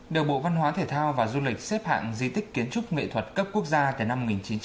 điều bộ văn hóa thể thao và du lịch xếp hạng di tích kiến trúc nghệ thuật cấp quốc gia từ năm một nghìn chín trăm tám mươi tám